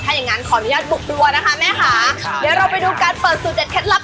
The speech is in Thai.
อย่างงั้นขออนุญาตบุกดูนะคะแม่ค่ะเดี๋ยวเราไปดูการเปิดสูตรเด็ดเคล็ดลับ